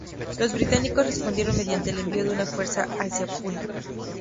Los británicos respondieron mediante el envío de una fuerza hacia Pune.